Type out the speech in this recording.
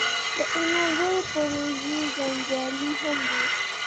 د انرژۍ پروژې جنجالي هم دي.